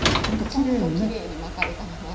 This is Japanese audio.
ちゃんときれいに巻かれたまま。